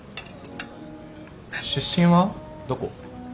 出身はどこ？